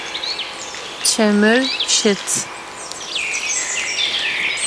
Çemır şıt.